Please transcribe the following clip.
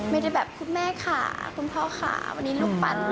ไม่ได้แบบคุณแม่ค่ะคุณพ่อค่ะวันนี้ลูกปั่น